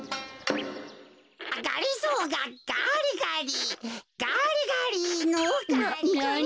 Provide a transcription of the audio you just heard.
がりぞーがガリガリガリガリのガリガリ。